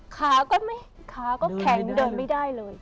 ขาก็แข่งเดินไม่ได้เลย